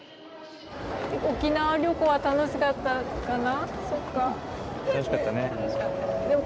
沖縄旅行は楽しかったかな？